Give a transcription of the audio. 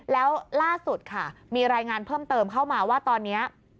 แล้วล่าสุดค่ะมีรายงานเพิ่มเติมเข้ามาว่าตอนนี้